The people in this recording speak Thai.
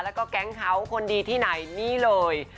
แล้วก็แก๊งเขาคนดีที่ไหนนี่เลย